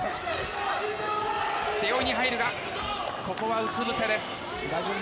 背負いに入るがここは、うつ伏せです。